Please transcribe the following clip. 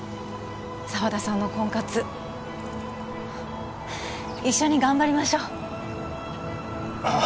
沢田さんの婚活一緒に頑張りましょうああ